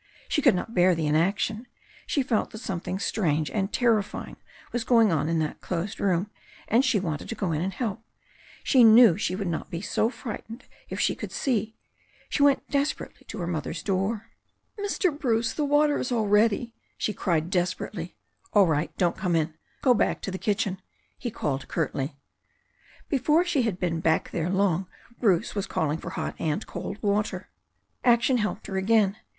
She could not bear the inaction. She felt that something strange and ter rifying was going on in that closed room, and she wanted to go in and help. She knew she would not be so frightened if she could see. She went desperately to her mother's door. 86 THE STORY OF A NEW ZEALAND RIVER "Mr. Bruce, the water is all ready," she cried miserably. "All right. Don't come in. Go back to the kitchen," he called curtly. Before she had been back there long Bruce was calling for hot and cold water. Action helped her again.